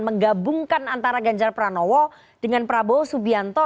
menggabungkan antara ganjar pranowo dengan prabowo subianto